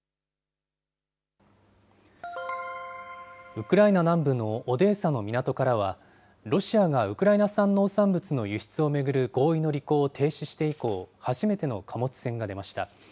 ウクライナ南部のオデーサの港からは、ロシアがウクライナ産農産物の輸出を巡る合意の履行を停止して以降、初めての貨物船が出ました。